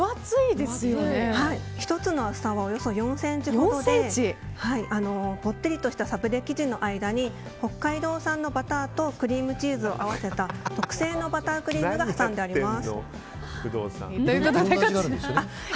１つの厚さはおよそ４ｃｍほどでぼってりとしたサブレ生地の間に北海道産のバターとクリームチーズを合わせた特製のバタークリームが挟んであります。